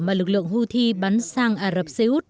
mà lực lượng houthi bắn sang ả rập xê út